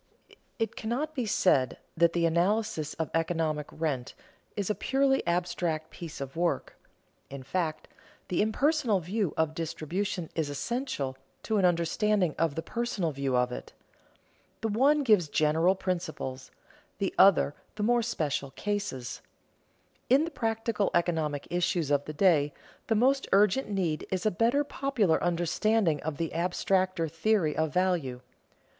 It cannot be said that the analysis of economic rent is a purely abstract piece of work. In fact, the impersonal view of distribution is essential to an understanding of the personal view of it. The one gives general principles, the other the special cases. In the practical economic issues of the day, the most urgent need is a better popular understanding of the abstracter theory of value.